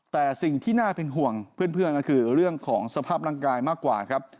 แต่สิ่งที่น่าเป็นห่วงเพื่อนก็คือเรื่องของสภาพร่างกายมากกว่าครับ